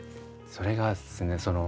それがですね